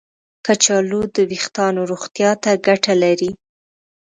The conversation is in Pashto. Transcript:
کچالو د ویښتانو روغتیا ته ګټه لري.